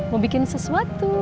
mau bikin sesuatu